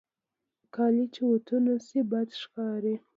کالي چې اوتو نهشي، بد ښکاري.